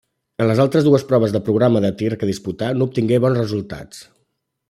En les altres dues proves del programa de tir que disputà no obtingué bons resultats.